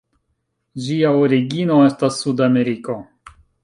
Ĝia origino estas Sudameriko.